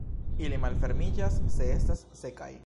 Ili malfermiĝas se estas sekaj.